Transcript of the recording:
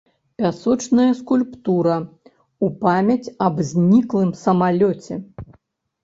Пясочная скульптура ў памяць аб зніклым самалёце.